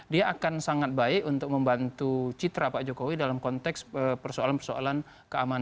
dia akan sangat baik untuk membantu citra pak jokowi dalam konteks persoalan persoalan keamanan